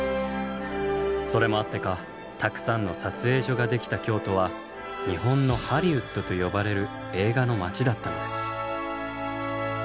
それもあってかたくさんの撮影所ができた京都は「日本のハリウッド」と呼ばれる映画の街だったのです。